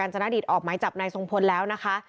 จับนายทรงพลแล้วนะคะ